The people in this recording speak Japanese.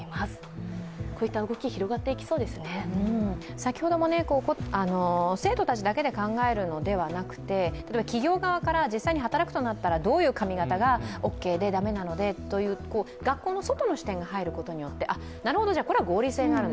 先ほども生徒たちだけで考えるのではなくて、例えば企業側から、実際に働くとなったらどういう髪形がオッケーでだめなのでという、学校の外の視点が入ることによって、なるほど、これは合理性があるんだ